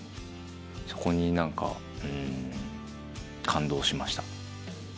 そこに感動しました。